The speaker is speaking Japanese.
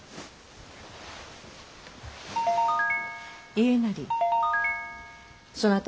家斉そなた